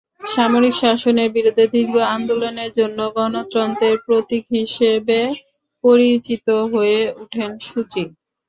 সামরিক শাসনের বিরুদ্ধে দীর্ঘ আন্দোলনের জন্য গণতন্ত্রের প্রতীক হিসেবে পরিচিত হয়ে ওঠেন সুচি।